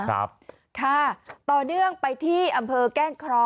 ครับค่ะต่อเนื่องไปที่อำเภอแก้งเคราะห